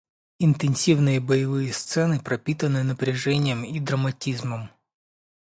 Интенсивные боевые сцены пропитаны напряжением и драматизмом.